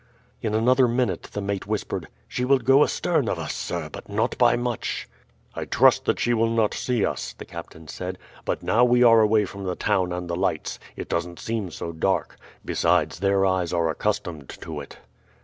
In another minute the mate whispered, "She will go astern of us, sir, but not by much." "I trust that she will not see us," the captain said. "But now we are away from the town and the lights, it doesn't seem so dark, besides their eyes are accustomed to it."